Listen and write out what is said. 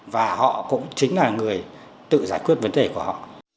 và họ cũng chính là người tự giải quyết vấn đề của họ